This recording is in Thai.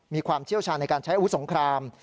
มีความเชี่ยวชาญในการใช้อาวุธสงคราม